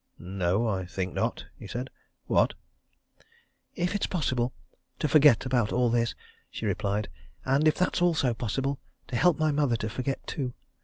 "No I think not," he said. "What?" "If it's possible to forget all about this," she replied. "And if that's also possible to help my mother to forget, too.